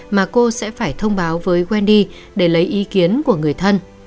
mà cô sẽ phải thông báo với quen đi để lấy ý kiến của người thân